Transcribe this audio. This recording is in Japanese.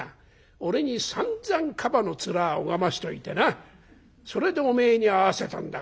俺にさんざんカバの面拝ましておいてなそれでおめえに会わせたんだから」。